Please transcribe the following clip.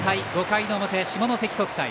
５回の表、下関国際。